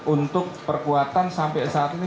untuk perkuatan sampai saat ini